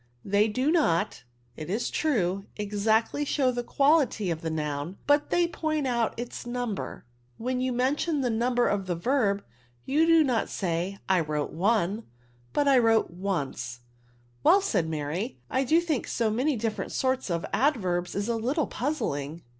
They do not, it is true, exactly show the quality of the noun, but they point out its nLbeT: when you mention the number of the verb, you do not say, * I wrote one, but I wrote once J' '* Well," said Mary, « I do think sa many different sorts of adverbs is a little puzzling."